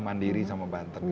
mandiri sama banten